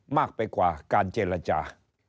มากไปกว่าการเจรจา